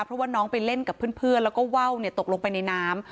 เพราะว่าน้องไปเล่นกับเพื่อนแล้วก็ว่าวตกลงไปในน้ำ